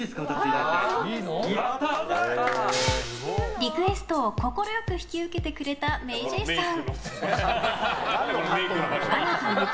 リクエストを快く引き受けてくれたＭａｙＪ．さん。